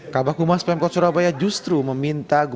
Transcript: kabah kumas pemkot surabaya justru meminta gubernur